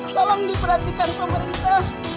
tolong diperhatikan pemerintah